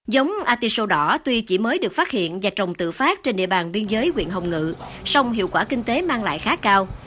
giống atiso đỏ tuy chỉ mới được phát hiện và trồng tự phát trên địa bàn biên giới quyện hồng ngự song hiệu quả kinh tế mang lại khá cao